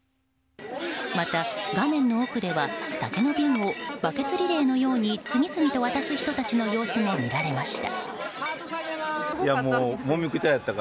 また画面の奥では酒の瓶をバケツリレーのようにバケツリレーのように次々と渡す人たちの様子も見られました。